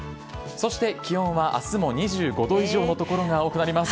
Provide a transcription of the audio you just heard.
そして気温は明日も２５度以上の所が多くなります。